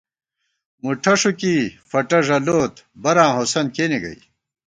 مُٹھہ ݭُوکی فٹہ ݫَلوت، براں ہوسند کېنے گئ